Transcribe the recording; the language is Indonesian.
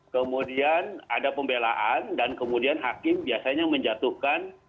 kemudian ada pembelaan dan kemudian hakim biasanya menjatuhkan